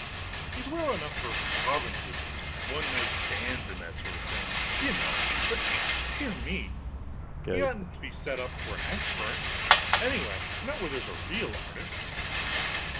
He is well enough for the provinces one night stands and that sort of thing, you know but dear me, he oughtn't to set up for an expert anyway not where there's a real artist.